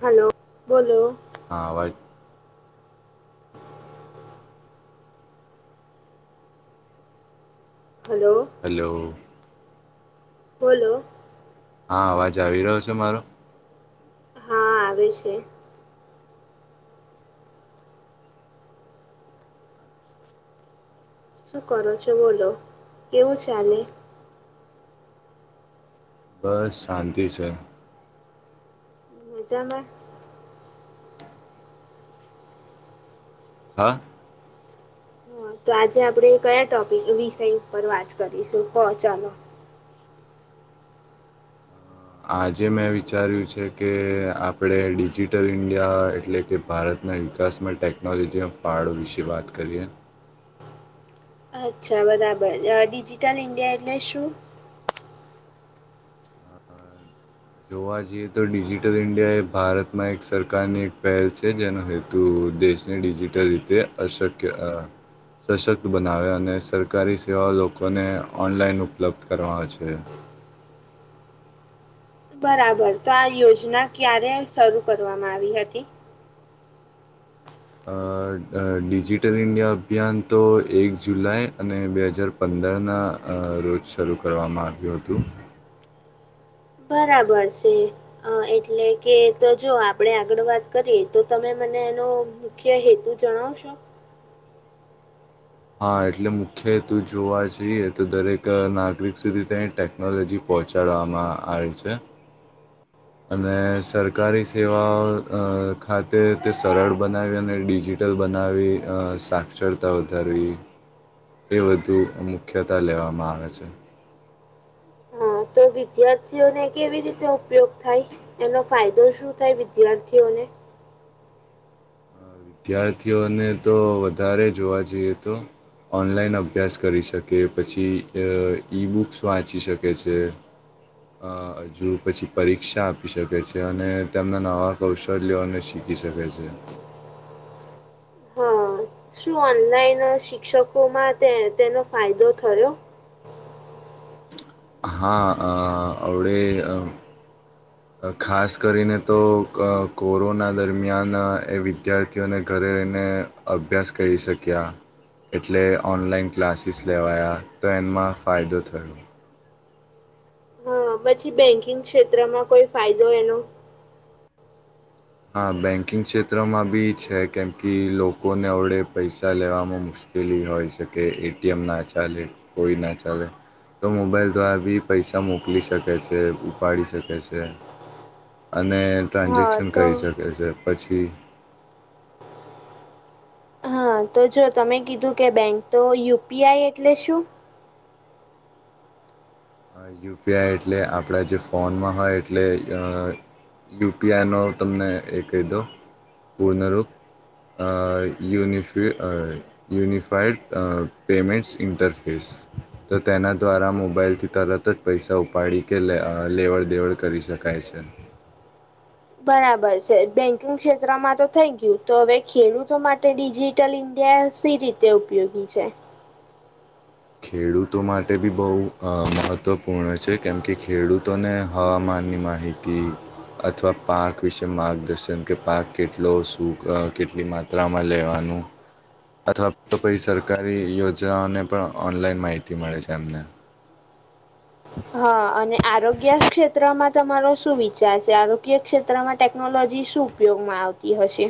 Hello બોલો? હા hello. Hello? બોલો? હા અવાજ આવી રહ્યો છે મારો? હા આવે છે. શું કરો છો બોલો કેવો ચાલે? બસ શાંતિ છે. મજા મા? હા. હ તો આજે આપડે કયા ટોપિક વિષય ઉપર વાત કરીશું તો ચાલો? આજે મેં વિચાર્યું છે કે આપણે ડિજિટલ ઇન્ડિયા એટલે કે ભારત ના વિકાસમાં ટેકનોલોજીના ફાળો વિશે વાત કરીએ. અચ્છા બરાબર ડિજિટલ ઇન્ડિયા એટલે શું? [unintelligible] જોવા જઈએ તો ડિજિટલ ઇન્ડિયા એ ભારતમાં એક સરકારની એક પહેલ છે જેનો હેતુ તું દેશને ડિજિટલ રીતે અશક્ય સશક્ત બનાવે અને સરકારી સેવાઓ લોકોને ઓનલાઈન ઉપલબ્ધ કરવા છે. બરાબર તો આ યોજના ક્યારે શરૂ કરવામાં આવી હતી? અ ડિજિટલ ઇન્ડિયા અભિયાન તો એક જુલાઈ અને બે હજાર પંદરના રોજ શરૂ કરવામાં આવ્યું હતું. બરાબર છે. અ એટલે કે તો જો આપડે આગળ વાત કરીએ તો તમે મને એનો મુખ્ય હેતુ જણાવશો? હા એટલે મુખ્ય હેતુ જોવા જઈએ તો દરેક નાગરિક સુધી તટે ટેકનોલોજી પહોંચાડવામાં આવે છે. અને સરકારી સેવાઓ ખાતે તે સરળ બનાવી અને ડીજી હોટેલ બનાવી સાક્ષરતા ધરવી એ વધુ મુખ્યતા લેવામાં આવે છે. હા તો વિદ્યાર્થીઓને કેવી રીતે ઉપયોગ થાય એનો ફાયદો શું થાય વિદ્યાર્થીઓને વિદ્યાર્થીઓને તો વધારે જોવા જઈએ તો ઓનલાઈન અભ્યાસ કરી શકે પછી ઈ બુક્સ વાંચી શકે છે. અ હજુ પછી પરીક્ષા આપી શકે છે અને તેમના નવા કૌશલ્યોને શીખ ખી શકે છે. હા શું ઓનલાઈન શિક્ષકોમાં તે તેનો ફાયદો થયો? હા અ અવડે અ ખાસ કરીને તો કોરોના દરમિયાન એ વિદ્યાર્થીઓને ઘરે રહીને અભ્યાસ કરી શક્યા. એટલે ઓનલાઈન ક્લાસીસ લેવાયા તો એમાં ફાયદો થયો. પછી બેંકિંગ ક્ષેત્રમાં કોઈ ફાયદો એનો? હા બેન્કિંગ ક્ષેત્રમાં બી છે કેમ કે લોકોને અવડે પૈસા લેવામાં મુશ્કેલ કેલી હોય છે કે એ ટી એમના ચાલે કોઈ ના ચાલે. તો મોબાઈલ દ્વારા ભી પૈસા મોકલી શકે છે ઉપાડી શકે છે. અને હા ટ્રાન્ઝેક્શન તો કરી શકે છે પછી હા તો જો તમે કીધું કે બેંક તો યુ પી આઈ એટલે શું? યુ પી આઈ એટલે આપણા જે ફોનમાં હોય એટલે યુ પી આઈનો તમને એ કહી દઉં પૂર્ણરૂપ. અ યુનિફિ અ યુનિફાઈડ પેમેન્ટ્ ઈન્ટરફેસ તો તેના દ્વારા મોબાઈલથી તરત જ પૈસા ઉપાડી કે અ લેવડ દેવડ કરી શકાય છે. બરાબર છે, બેન્કિંગ ક્ષેત્રમાં તો થઈ ગયું તો હવે ખેડૂતો માટે ડીજી ટલ ઈન્ડિયા શી રીતે ઉપયોગી છે? ખેડૂતો માટે બી બહુ મહત્ત્વપૂર્ણ છે કેમ કે ખેડૂતોને હવામાનની માહિ તી અથવા પાક વિશે માર્ગદર્શન કે પાક કેટલો શું અ કેટલી માત્રામાં લેવાનું? અથવા તો કોઈ સરકારી યોજનાઓને પણ ઓનલાઈન માહિતી મળે છે એમને. હ અને આરોગ્ય ક્ષેત્રમાં તમારો શું વિચાર છે, આરોગ્ય ક્ષેત્રમાં ટેકનોલોજી શું? ઉપયોગમાં આવતી હશે?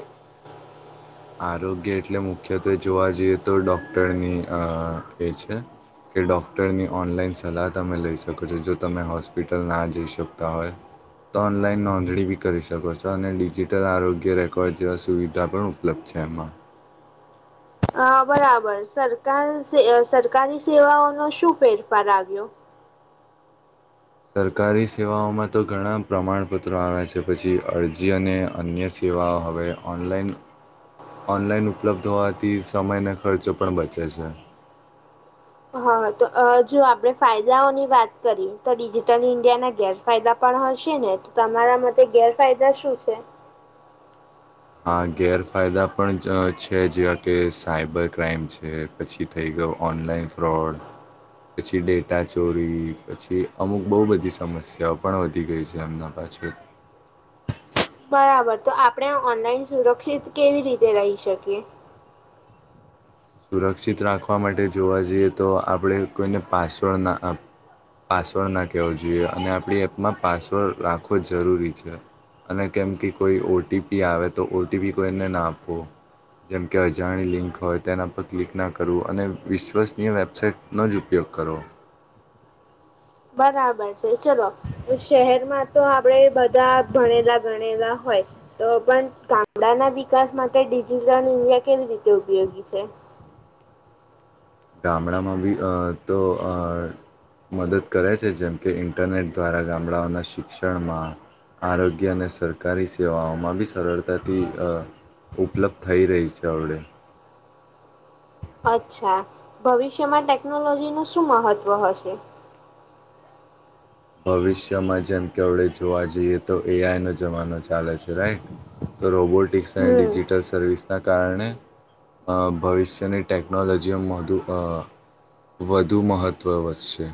આરોગ્ય એટલે મુખ્યત્વે જોવા જઈએ તો ડોક્ટરની અ એ છે. કે ડૉક્ટરની ઓનલાઈન સલાહ તમે લઈ શકો છો, જો તમે હોસ્પિટલ ના જઈ શકતા હોય. તો ઓનલાઈન નોંધણી બી કરી શકો છો અને ડિજિટલ આરોગ્ય રેકોર્ડ જેવા સુવિધા પણ ઉપલબ્ધ છે એમાં. અ બરાબર સરકાર સરકારી સેવાઓનો શું ફેરફાર આવ્યો? સરકારી સેવાઓમાં તો ઘણા પ્રમાણપત્રો આવે છે પછી અરજી અને અન્ય સેવાઓ હવે ઓનલાઈન ઓનલાઈન ઉપલબ્ધ હોવાથી સમય અને ખર્ચો પણ બચે છે. હા તો જો આપણેે ફાયદાઓની વાત કરી તો ડિજિટલ ઈન્ડિયાના ગેરફાયદા ફાયદા પણ હશે ને તો તમારા માટે ગેરફાયદા શું છે? હા ગેરફાયદા પણ છે જેવા કે સાયબર ક્રાઈમ છે. પછી થઈ ગયો ઓનલાઈન ફ્રોડ. પછી ડેટા ચોરી પછી અમુક બહુ બધી સમસ્યાઓ પણ વધી ગઈ છે હમણાં. પછી બરાબર, તો આપણે ઓનલાઈન સુરક્ષિત કેવી રીતે રહી શકીએ? સુરક્ષિત રાખવા માટે જોવા જઈએ તો આપણે કોઈને પાસવર્ડ ના આપ પાસવર્ડ ના કહેવો જોઈએ અને આપણી એપમાં પાસવર્ડ રાખવો જરૂરી છે. અને કેમ કે કોઈ ઓ ટી પી આવે તો ઓ ટી પી કોઈને ના આપવો. જેમકે અજાણી લિંક હોય તેના પર પર ક્લિક ના કરવું અને વિશ્વસનીય વેબસાાઈટનો જ ઉપયોગ કરો. બરાબર છે ચલો. શહેરમાં તો આપણે બધાં ભણેલા ગણેલા હોય. તો પણ ગામડાના વિકાસ માટે ડિજિટલ ઇન્ડિયા કેવી રીતે ઉપયોગી છે? ગામડામાં બી અ તો અ મદદ કરે છે જેમ કે ઇન્ટરનેટ દ્વારા ગામડાઓના શિક્ષણમાં આરોગ્ય અને સરકારી સેવાઓમાં બી સરળતાથી ઉપલબ્ધ થઈ રહી છે હવે અચ્છા ભવિષ્યમાં ટેકનોલોજીનું શું મહત્વ હશે? ભવિષ્યમાં જેમ કે હવે જોવા જઈએ તો એ આઈ નો જમાનો ચાલે છે રાઈટ? તો રોબોટિક્સ અને હમ ડિજિટલ સર્વિસ તે કારણે ભવિષ્યની ટેકનોલોજીઓ વધુ વધુ મહત્ત્વ વધશે.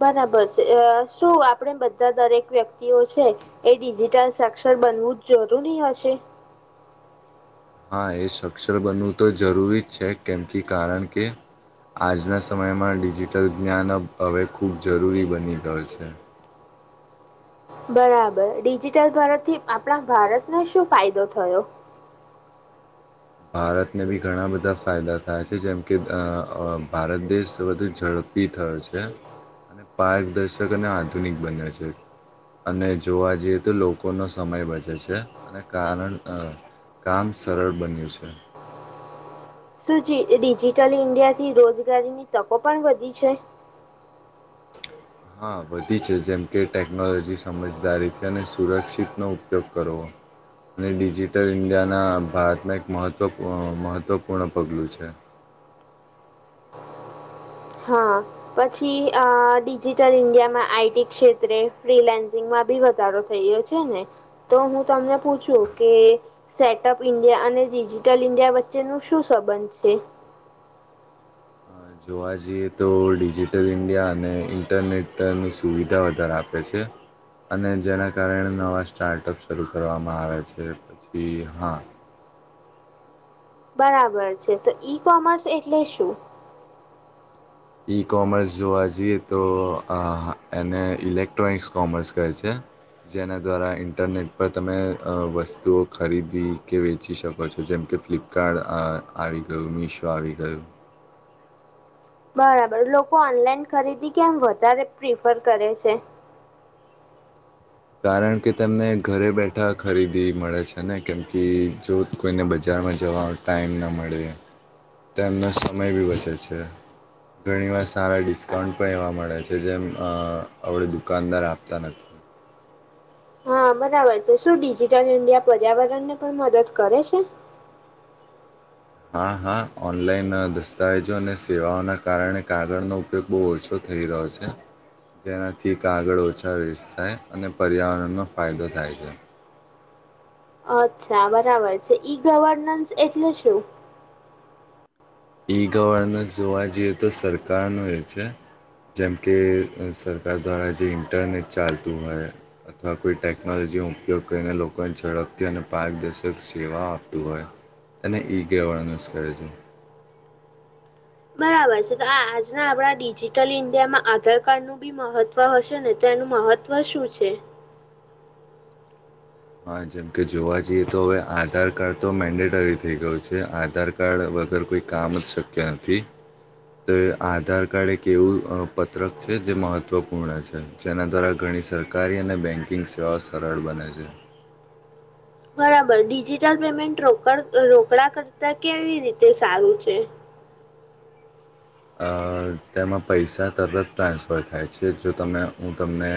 બરાબર છે શુંઆપડે બધા દરેક વ્યક્તિઓ છે. એ ડિજિટલ સક્ષર બનવું જ જરૂરી હશે? હા એ સક્ષર બનવું તો જરૂરી જ છે કેમ કે કારણ કે આજના સમયમાં ડિજિટલ જ્ઞાન હવે ખૂબ જરૂરી બની ગયું છે. બરાબર ડિજિટલ તરફ઼થી આપણા ભારતને શું ફાયદો થયો? ભારતને બી ઘણા બધા ફાયદા થયા છે જેમ કે ભારત દેશ વધુ ઝડપે થયો છે અને પારદર્શક અને આધુનિક બને છે અને જોવા જઈએ તો લોકોનો સમય બચે છે અને કારણ કામ સરળ બન્યું છે શું ડિજિટલ ઇન્ડિયાથી રોજગારીની તકો પણ વધી છે હા વધી છે જેમ કે ટેકનોલોજી સમજદારીથી અને સુરક્ષિતનો ઉપયોગ કરવો અને ડિજિટલ ઇન્ડિયાના ભારતમાં એક મહત્ત્વ મહત્ત્વપૂર્ણ પગલું છે હા પછી અ ડિજિટલ ઇન્ડિયામાં આઈટી ક્ષેત્રે ફ્રીલેન્સિંગમાં બી વધારો થઈ ગયો છે છે ને તો હું તમને પૂછું કે સેટઅપ ઇન્ડિયા અને ડિજિટલ ઈન્ડિયા વચ્ચે નું શું સંબંધ છે જોવા જઈએ તો ડિજિટલ ઇન્ડિયા અને ઇન્ટરનેટની સુવિધા વધારે આપ પ છે અને જેના કારણે નવા સ્ટાર્ટઅપ શરૂ કરવામાં આવે છે પછી હા બરાબર છે તો ઈ કોમર્સ એટલે શું ઈ કોમર્સ જોવા જઈએ તો એને ઇલેક્ટ્રોનિક્સ કોમર્સ કહે છે જેના દ્વારા ઇન્ટરનેટ પર તમે વસ્તુઓ ખરીદવી કે વેચી શકો છો જેમ કે ફ્લિપ કાર્ડ આવી ગયું મીશો આવી ગયું બરાબર લોકો ઓનલાઈન ખરીદી કેમ વધારે પ્રિફર કરે છે કારણ કે તમને ઘરે બેઠા ખરીદી મળે છે ને કેમ કે જો કોઈને બજારમાં જવા ટાઈમ ન મળે તો એનો સમય બી બચે છે ઘણીવાર સારા ડિસ્કાઉન્ટ પણ એવા મળે છે જેમ આપણે દુકાનદાર આપતા નથી હા બરાબર છે શું ડિજિટલ ઇન્ડિયા પર્યાવરણ ને પણ મદદ કરે છે હા હા ઓનલાઈન દસ્તાવેજો અને સેવાઓના કારણે કાગળનો ઉપયોગ બહુ ઓછો થઈ રહ્યો છે જેનાથી કાગળ ઓછા વેસ થાય અને પર્યાવરણનો ફાયદો થાય છે અચ્છા બરાબર છે ઈ ગવર્નન્સ એટલે શું ઈ ગવર્નન્સ જોવા જઈએ તો સરકાર ન એ છે જેમ કે સરકાર દ્વારા જે ઇન્ટરનેટ ચાલતું હોય અથવા કોઈ ટેકનોલોજીનો ઉપયોગ કરીને લોકોને ઝડપથી અને પારદર્શક સેવા આપતું હોય અનેને ઈગવાળનું સર્જન બરાબર છે તો આ આજના આપડા ડિજિટલ ઇન્ડિયામાં આધાર કાર્ડનું બી મહત્વ હશે ને તો એનું મહત્વ શું છે હા જેમકે જોવા જઈએ તો હવે આધાર કાર્ડ તો મેન્ડેટરી થઇ ગયું છે આધાર કાર્ડ વગર કોઈ કામ જ શક્ય નથી તો એ આધાર કાર્ડ એક એવું પત્રક છે જે મહત્ત્વપૂર્ણ છે જેના દ્વારા ઘણી સરકારી અને બેન્કિંગ સેવાઓ સરળ બને છે બરાબર, ડિજિટલ પેમેન્ટ રોકડ, રોકડા કરતા કેવી રીતે સારું છે અ તેમાં પૈસા તરત ટ્રાન્સફર થાય છે જો તમે હું તમને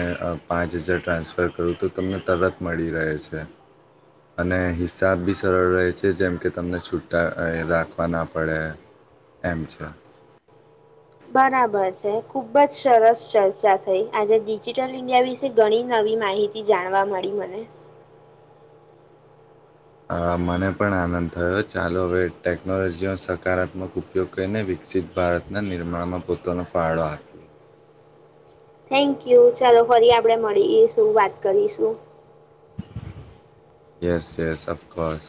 પાંચ હજાર ટ્રાન્સફર કરુ તો તમને તરત મળી રહે છે અને હિસાબ બી સરળ રહે છે જેમ કે તમને છૂટા રાખવા ના પડે એમ છ બરાબર છે, ખુબ જ સરસ ચર્ચા થઈ આજે ડિજિટલ ઇન્ડિયા વિ ઘણી નવી માહિતી જાણવા મળી મને અ મને પણ આનંદ થયો ચાલો હવે ટેકનોલોજીનો સકારાત્મક ઉપ જો કઈને વિકસિત ભારતના નિર્માણમાં પોતાનો ફળો આપી થેન્ક યુ ચાલો ફરી આપડે મળીએશું વાત કરીશું yes yes, of course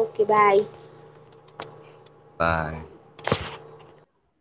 okay bye by